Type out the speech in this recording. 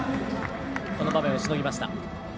この場面をしのぎました。